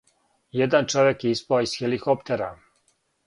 Један човек је испао из хеликоптера.